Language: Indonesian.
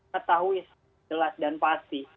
ketahui jelas dan pasti